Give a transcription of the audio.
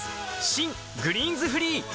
新「グリーンズフリー」